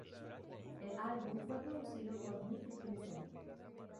El álbum fue producido por Nick Vincent.